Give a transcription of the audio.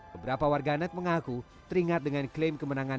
beberapa warganet mengaku teringat dengan klaim kemenangan